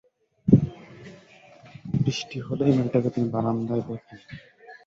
বৃষ্টি হলেই মেয়েটাকে তিনি বারান্দায় দেখেন।